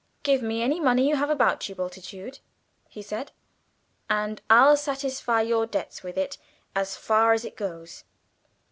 "Give me any money you have about you, Bultitude," he said, "and I'll satisfy your debts with it, as far as it goes."